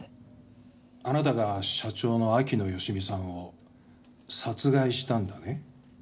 あなたが社長の秋野芳美さんを殺害したんだね？